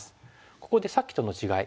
ここでさっきとの違い。